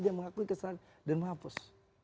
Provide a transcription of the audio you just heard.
dia mengakui kesalahan dan menghapus